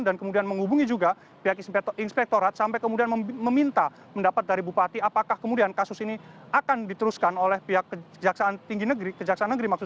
dan kemudian menghubungi juga pihak inspektorat sampai kemudian meminta mendapat dari bupati apakah kemudian kasus ini akan diteruskan oleh pihak kejaksaan negeri